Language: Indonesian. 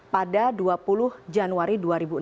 pada dua puluh januari dua ribu enam belas